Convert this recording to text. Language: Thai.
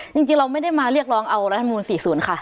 จริงเราไม่ได้มาเรียกร้องเอารัฐมนูล๔๐ค่ะ